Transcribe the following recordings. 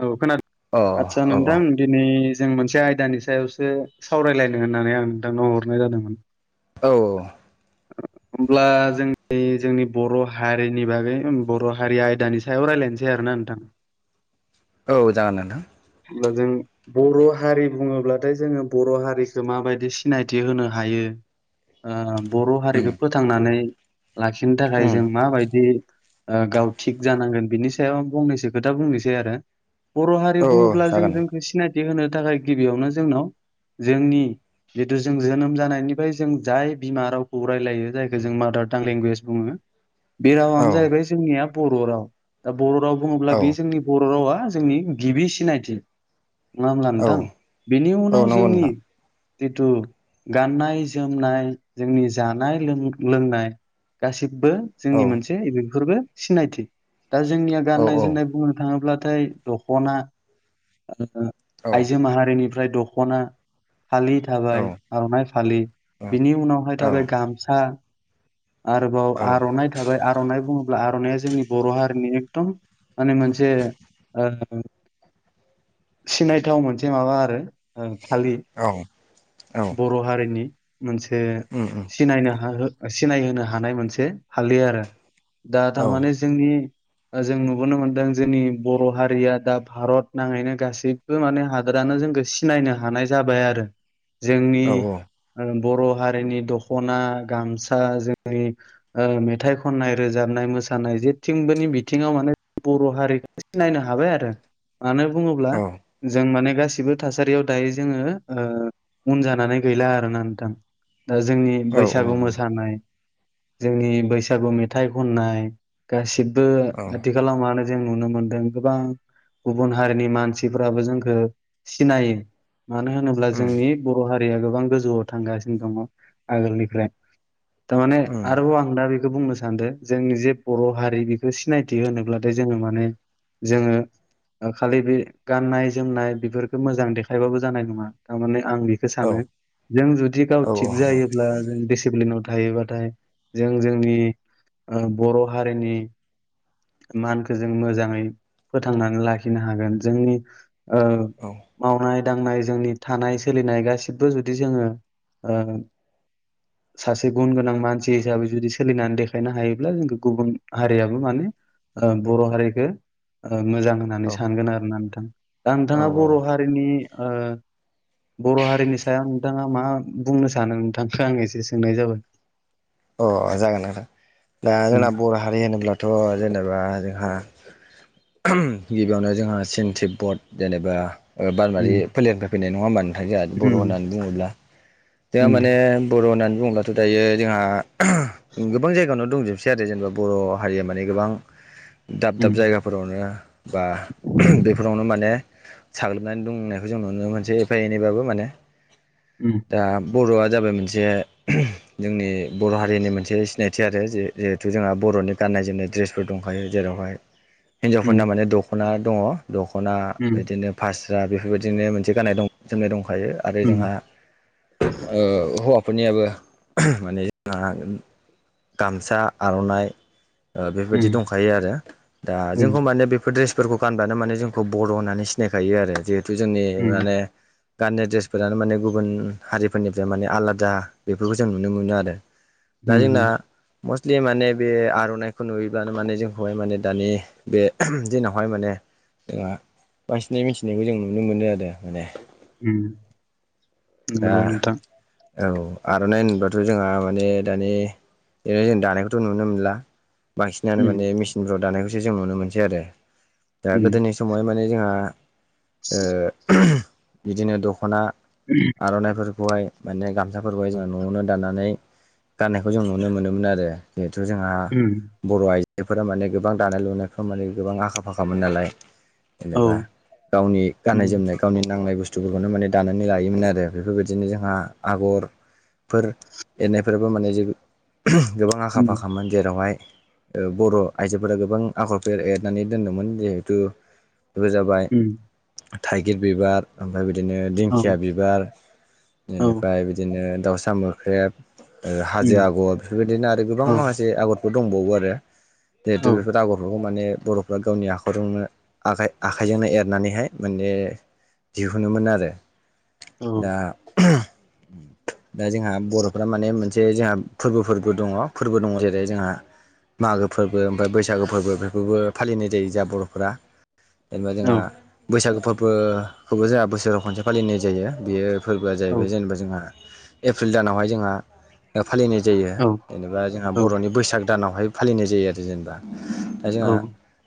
औ खोना अ औ आदसा औ नोंथां दिनै जों मोनसे आयदानि सायावसो सावरायलायनो होननानै आं नोंथांनाव हरनाय जादोंमोन। औ। होमब्ला जोंनि जोंनि बर' हारिनि बागै बर' हारि आयदानि सायाव रायलायनोसै आरोना। नोंथां। औ जागोन नोंथां। दिब्ला जों बर' हारि बुङोब्लाथाय जोङो बर' हारिखो माबादि सिनायथि होनो हायो? ओ बर' उम हारिखो फोथांनानै लाखिनो थाखाय उम जों माबायदि। ओ गाव थिग जानांगोन बिनि सायाव आं फंनैसो खोथा बुंनोसै आरो बर' औ हारि औ बुङोब्ला। जों जागोन जोंखौ सिनायथि होनो थाखाय गिबियावनो जोंनाव जोंनि। जितु जों जोनोम जानायनिफ्राय जों जाय बिमा रावखौ रायलायो जायखो जों मादार टां लेंगुवेज बुङो। [inaudible] बे रावानो जाहैबाय जोंनिया बर' राव दा बर' राव बुङोब्ला औ बे जोंनि बर' रावा। जोंनि गिबि सिनायथि नङा होमब्ला औ नोंथां बिनि औ उनाव नंगौ जोंनि नोंथां तितु गाननाय-जोमनाय जोंनि जानाय लों लोंनाय गासिबो बो औ जोंनि मोनसे बेफोरबो सिनायथि दा जोंनिया औ गाननाय- जोमनाय बुंनो थाङोब्ला थाय दख'ना औ आइजो माहारिनिफ्राय दख'ना फालि औ थाबाय आर'नाइ फालि बिनि उनावहाय थाबाय गामसा आरोबाव औ आर'नाइ थाबाय आर'नाइ बुङोब्ला आर'नाइया जोंनि बर' हारिनि माने मोनसे सिनायथाव मोनसे माबा आरो फालि औ औ बर' हारिनि मोनसे उम उम सिनायनो हाहोग्रा सिनाय होनोनो हानाय मोनसे फालि आरो दा औ नंगौ औ उम औ थारमाने अ जोंनि जों नुबोनो मोन्दों जोंनि बर' हारिया दा भारत नाङैनो गासैबो माने हादोरानो जोंखो सिनायनो हानाय जाबाय आरो जोंनि बर' हारिनि दख'ना गामसा जोंनि मेथाइ खननाय रोजाबनाय मोस मोसानाय जेथिंबोनि बिथिङाव माने बर' हारिखौ सिनायनो हाबाय आरो मानो बुङोब्ला जों माने गासिबो थासारियाव दायो जोङो उन जानानै गैला आरोना नोंथां दा जोंनि बैसागु मोसानाय जोंनि बैसागु मेथाइ खननाय गासिबो आथिखालाव मानो जों नुनो मोनदों गोबां गुबुन हारिनि मानसिफोराबो जोंखौ सिनायो मानो होनोब्ला जोंनि बर' हारिया गोबां गोजौआव थांगासिनो दङ आगोलनिफ्राय थारमाने आरोबाव आं दा बुंनो सानदों जोंनि जे बर' हारि बेखौ सिनायथि होनोब्लाथाय जोङो माने जोङो खालि बे गाननाय जोमनाय बेफोरखौ मोजां देखायबाबो जानाय नङा थारमाने आं सानो जों जुदि गाव थिग जायोब्ला जों दिसिप्लिनाव थायोबाथाय जों जोंनि बर' हारिनि मानखौ जों मोजाङै फोथांनानै लाखिनो हागोन जोंनि मावनाय दांनाय जोंनि थानाय सोलिनाय गासिबो जुदि जोङो सासे गुन गोनां मानसि हिसाबै जुदि सोलिनानै देखायनो हायोब्ला जों गुबुन हारियाबो माने बर' हारिखो मोजां होननानै सानगोन आरोना नोंथां दा नोंथाङा बर' हारिनि बर' हारिनि सायाव नोंथाङा मा बुंनो सानो नोंथांखौ आं एसे सोंनाय जाबाय अ जागोन नोंथां दा उम जोंना बर' हारि होनोब्लाथ' जेनेबा जोंहा गिबियावनो जोंहा चिनतिबबत जेनेबा बारमारि उम फोलेरनिफ्राय फैनाय नङा होबा नोंथां जोंहा बर' उम होननानै बुङोब्ला उम जोंहा माने बर' होननानै बुङोब्ला थ दायो जोंहा गोबां जायगायावनो दंजोबसै आरो जेनेबा बर' हारिया माने गोबां दाब उम दाब जायगाफोरावनो बा बेफोरावनो माने साग्लोबनानै दंनायखौ जों नुनो मोनसे एफा एनैबाबो माने उम दा बर'आ जाबाय मोनसे जोंनि बर' हारिनि मोनसे सिनायथि आरो जिहेथु जोंहा बर'नि गाननाय जोमनाय ड्रेसफोर दंखायो जेरावहाय उम हिनजावफोरना माने दख'ना दङ दख'ना उम बिदिनो फार्से दा बेफोरबायदिनो मोनसे गाननाय जोमनाय दंखायो आरो उम जोंहा हौवा फोरनियाबो माने गामसा आर'नाइ बेफोरबायदि उम दंखायो आरो दा उम जोंखौ माने बेफोर द्रेस बेफोरखौ गानबानो माने जोंखौ बर' होननानै सिनायखायो आरो जिहेथु जोंनि उम माने गाननाय ड्रेसफोरानो माने गुबुन हारिफोरनिफ्राय माने आलादा बेफोरखौ जों नुनो मोनो आरो दा जोंना उम मस्टलि माने बे आर'नाइखौ नुयोब्लानो माने जोंखौहाय माने दानि बे दिनावहाय माने जोंहा बांसिनै मिथिनायखौ जों नुनो मोनो आरो माने दा नंगौ नोंथां। औ आरो आरनाय होनबाथाय जोंहा माने दानि जों दानायखौथ' नुनो मोनला बांसिनानो उम माने मेसिनफ्राव दानायखौ नुनो खौ जों नुनो मोनसै आरो दा उम गोदोनि समावहाय माने जोंहा ओ [unintelligible] बिदिनो दख'ना आर'नाइफोरखौहाय माने गामसाफोरखौहाय जों न'आवनो दाननानै गाननायखौ जों नुनो मोनोमोन आरो जिहेथु जोंहा उम बर' आइजो फोरा माने गोबां दानाय लुनायफ्राव माने गोबां आखा फाखामोन नालाय औ जेनेबा गावनि उम गाननाय जोमनाय गावनि नांनाय बुस्थ स्थुफोरखौनो माने दानानै लायोमोन आरो बेफोर बादिनो जोंहा आगरफोर एरनायफोराबो मानेे जों [inaudible] गोबां आखा उम फाखामोन। जेरावहाय ओ बर' आइजोफोरा गोबां आखरफोर एरनानै दोनदोंमोन। जिहेथु बेबो जाबाय उम थाइगिर बिबार आम ओमफ्राय बिदिनो औ दिंखिया बिबार औ बेनिफ्राय बिदिनो दाउसा मोख्रेब ओ हाजो उम आगर बेफोर बादिनो आरो गोबां औ माखासे आगरफोर दंबावो आरो। जेथु औ बेफोर आगर माने बर'फ्रा गावनि आखरजोंनो आखाइ आखाइजोंनो एरनानैहाय माने दिहुनोमोन आरो औ दा [inaudible] दा जोंहा बर' फोरा माने मोनसे जाहा फोरबो फोरबो दङ फोरबो दङ। जेरै जोंहा मागो फोरबो ओमफाय बैसागो फोरबो बेफोरखौबो फालिनाय जायो। जाहा बर'फोरा जेनेबा औ जोंहा बैसागो फोरबोखौबो जोंहा बोसोराव खनसे फालिनाय जायो। बेयो फोरबोआ औ जाहैबाय जेनेबा जोंहा एप्रिल दानावहाय जोंहा फालिनाय जायो औ जेनेबा जोंहा औ बर'नि बैसाग दानावहाय फालिनाय जायो आरो जेनेबा दा जोंहा औ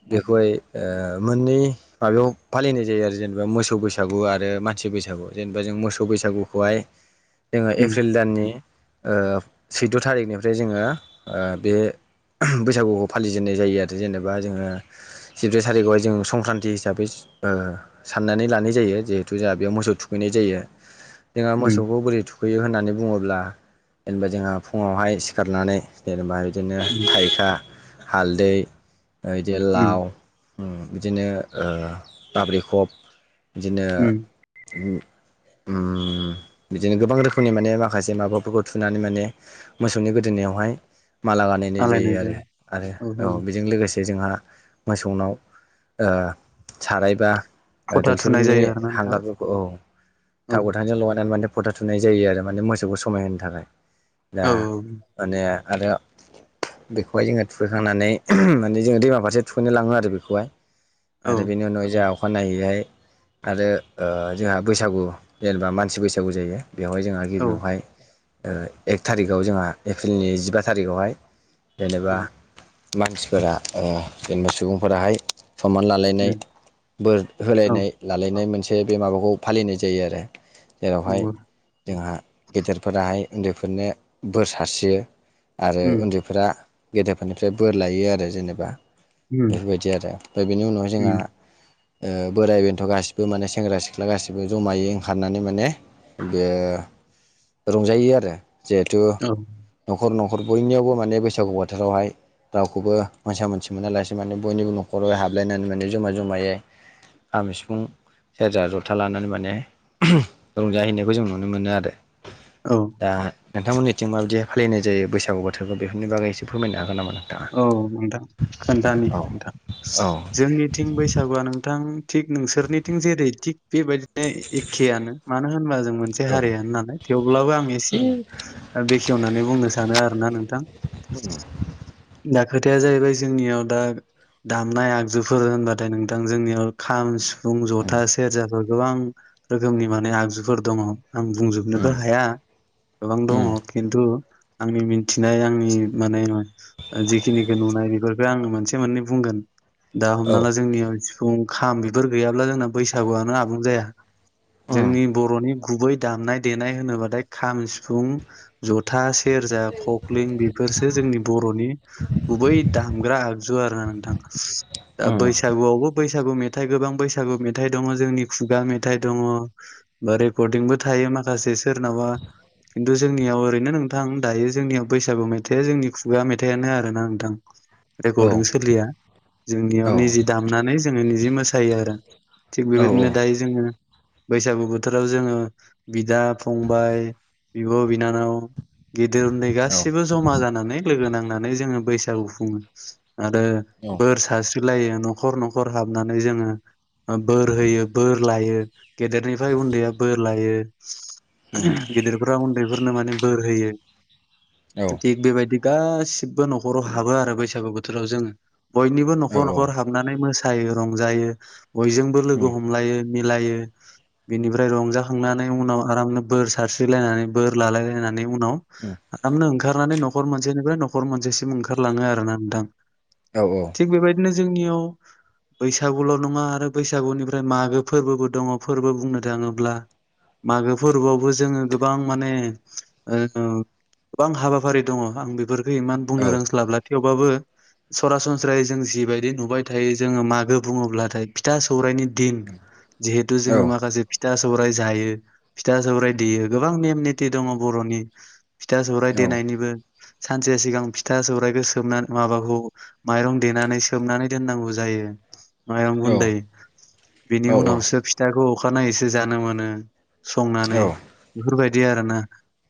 बे बेखौहाय ओ मोननै माबायाव फालिनाय जायो आरो जेनेबा मोसौ बैसागु आरो मानसि बैसागु जेनेबा जों मोसौ बैसागुखौहाय जोङो उम एप्रिल दाननि ओ सैद' थारिखनिफ्राय जोङो ओ बे बैसागुखौ फालिजेननाय जायो आरो जेनेबा जोङो जिब्रै थारिखआवहाय जोङो संक्रान्ति हिसाबै ओ साननानै लानाय जायो जिहेथु जोंहा बेयाव मोसौ थुखैनाय जायो। जोंहा उम मोसौखौ बोरै थुखैयो होननानै बुङोब्ला जेनेबा जोंहा फुङावहाय सिखारनानै जेनेबा बिदिनो उम थाइखा हालदै ओ इदि उम लाव उ बिदिनो ओ बाब्रि खप बिदिनो उम उ बिदिनो गोबां रोखोमनि माने माखासे माबा खौ थुनानै माने मोसौनि गोदोनायावहाय माला बानायनाय जायो आरो आलायनायजों आरो औ बेजों लोगोसे जोंहा मोसौनाव ओ सारायबा फथा थुनाय दैक्सिफोरनि जायो आरोना नोंथां हांगारफोरखौ औ औ थाव गोथांजों लगायनानै माने फथा थुनाय जायो आरो माने मोसौखौ समायहोनो थाखाय दा औ माने आरो बेखौहाय जोङो थुखैखांनानै [inaudible] माने जोङो दैमा फारसे थुखैनो लाङो आरो बेखौहाय औ आरो बेनि उनाव जाहा अखानायनायैहाय आरो ओ जोंहा बैसागु जेनेबा मानसि बैसागु जायो। बेवहाय जोंहा औ गिबियावहाय ओ एक थारिखाव जोंहा एप्रिलनि जिबा थारिखआवहाय औ जेनेबा मानसिफोरा ओ जेनेबा सुबुंफोराहाय सनमान लालायनाय उम बोर औ होलायनाय लालायनाय मोनसे बे माबाखौ फालिनाय जायो आरो। जेरावहाय नंगौ जोंहा गेदेर फोराहाय उन्दैफोरनो बोर सारस्रियो आरो उम उन्दैफोरा गेदेरफोरनिफ्राय बोर लायो आरो जेनेबा उम बेफोर बायदि आरो ओमफाय बेनि उनावहाय जोंहा उम ओ बोराइ बेन्थ' गासिबो माने सेंग्रा सिख्ला गासिबो जमायै ओंखारनानै माने बे रंजायो आरो जिहेथु औ न'खर न खर बयनियावबो माने बैसागु बोथोरावहाय रावखौबो मोनसा-मोनसि मोनालासे माने बयनिबो न'खराव हाबलायनानै माने जमा-जमायै खाम, सिफुं सेरजा, जथा लानानै माने [unintelligible] रंजाहैनायखौ जों नुनो मोनो आरो। औ दा नोंथांमोननिथिं माबायदि फालिनाय जायो बैसागु बोथोरखौ बेफोरनि बागै एसे फोरमायनो हागोन नामा नों औ नोंथां खोनथानि नोंथां औ जोंनिथिं बैसागुया नोंथां थिग नोंसोरनिथिं जेरै थिग बेबायदिनो एखेयानो मानो होनबा जों मोनसे औ उम हारियानो नालाय थेवब्लाबो आं एसे ओ बेखेवनानै बुंनो सानो आरोना नोंथां। [inaudible] दा खोथाया जाहैबाय जोंनियाव दा दामनाय आगजुफोर होनबाथाय नोंथां जोंनियाव खाम सु- फुं, ज'था सेरजाफोर गोबां रोखोमनि माने आगजुफोर दङ' आं बुंजोबनोबो उम हाया गोबां दङ' उम खिनथु आंनि मिनथिनाय आंनि माने [unintelligible] ओ जिखिनिखो नुनाय बेफोरखो आङो मोनसे मोननै बुंगोन दा औ हमना ला जोंनियाव सिफुं खाम बिफोर गैयाब्ला जोंना बैसागुआनो आबुं जाया। उम जोंनि बर'नि गुबै दामनाय-देनाय होनोबाथाय खाम, सिफुं, ज'था सेरजा, खख्लिं बेफोरसो जोंनि बर'नि गुबै दामग्रा आगजु आरोना नोंथां। दा उम बैसागुयावबो बैसागु मेथाइ गोबां बैसागु मेथाइ दङ' जोंनि खुगा मेथाइ दङ' बा रेकर्डंबो था यो माखासे सोरनावाबा खिनथु जोंनियाव ओरैनो नोंथां दायो जोंनियाव बैसागु मेथाइया जोंनि खुगाया मे थायानो आरोना नोंथां। औ रेकर्डिं सोलिया औ जोंनियाव निजि दामनानै जोङो निजि मोसायो आरो। थिग बेबायदिनो औ दायो जोङो बैसागु बोथोराव जोङो बिदा-फंबाय, बिब'-बिनानाव गिदिर उनदै औ गासैबो ज'मा जानानै लोगो नांनानै जोङो बैसागु खुङो। आरो औ बोर सारस्रिलायो न'खर न'खर हाबनानै जोङो ओ बोर होयो बोर लायो गेदेरनिफ्राय उनदैया बोर लायो उम गिदिरफोरा उनदैफोरनो माने बोर होयो औ थिग बेबायदि गासि बो न'खराव हाबो आरो बैसागु बोथोराव जोङो बयनिबो औ न'खर न'खर हाबनानै मोस सायो रंजायो बयजोंबो लोगो उम हमलायो मिलायो। बिनिफ्राय रंजाखांनानै उनाव आरामनो बोर सारस्रिलायनानै बोर लालायलायना नै उनाव उम आरमनो ओंखारनानै न'खर मोनसेनिफ्राय न'खर मोनसेसिम ओंखारलाङो आरोना नोंथां। औ थिग बेबायदिनो जोंनियाव बैसागुल' नङा आरो बैसागुनिफ्राय मागो फोरबोबो दङ' फोरबो बुंनो थाङोब्ला। मागो फोरबोयावबो जोङो गोबां माने ओ गोबां हाबाफारि दङ' आं बेफोरखो इमान औ बुंनो रोंस्लाबला थेवबाबो सरासनस्रायै जों जिबायदि नुबाय थायो जोङो मागो बुङोब्लाथाय फिथा सौरायनि दिन जिहेथु औ जोङो माखासे फिथा सौराय जायो। फिथा सौराय देयो गोबां नेम निथि दङ' बर'नि फिथा सौराय नों देनायनिबो सानसे सिगां फिथा सौराइखौ सोबनानै माबाखौ माइरं देनानै सोमनानै दोननांगौ जायो। माइरं गुनदै बिनि औ उनावसो फिथाखौ अखानायैसो जानो मोनो। संनानै बेफोरबायदि आरोना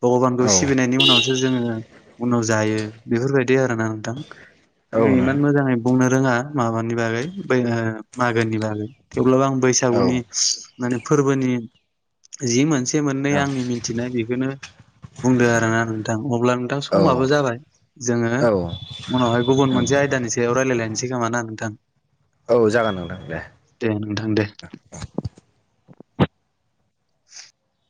भग'बानखौ सिबिनायनि उनावसो जोङो उनाव जायो बेफोरबायदि आरोना नोंथां। आं इमान मोजाङै बु बुंनो रोङा माबानि बागै बै ओ मागोनि बागै थेवब्लाबो आं बैसागुनि औ माने फोरबोनि जि मोनसे मोननै आंनि मिथिनाय बेखोनो बुंदों आरोना नोंथां अब्ला नोंथां समाबो जाबाय जोङो औ औ उनावहाय गुबुन मोनसे आयदानि सायाव रायलायलायनोसै सै खोमा ना नोंथां जागोन नोंथां दे दे नोंथां दे